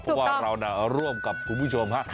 เพราะว่าเราร่วมกับคุณผู้ชมฮะ